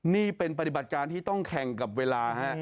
นี่เป็นปฏิบัติการที่ต้องแข่งกับเวลาฮะ